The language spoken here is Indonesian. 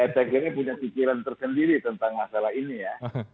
tgn punya pikiran tersendiri tentang masalah ini ya